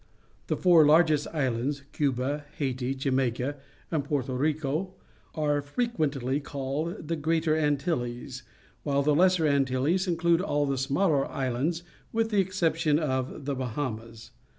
The four largest islands — Cuba, Haiti, Jamaica, and Porto Rico — are frequently called the Greater Antilles, while the Lesser Antilles include all the smaller islands with the excep tion of the Bahamas.